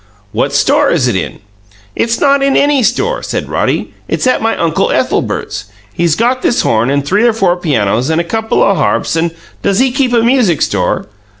"What store is it in?" "It's not in any store," said Roddy. "It's at my Uncle Ethelbert's. He's got this horn and three or four pianos and a couple o' harps and " "Does he keep a music store?"